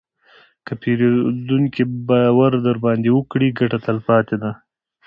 که پیرودونکی باور درباندې وکړي، ګټه تلپاتې ده.